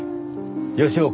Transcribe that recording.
吉岡